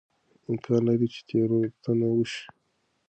امکان لري چې تېروتنه وشي.